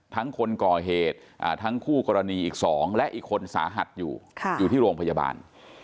คนก่อเหตุทั้งคู่กรณีอีก๒และอีกคนสาหัสอยู่อยู่ที่โรงพยาบาล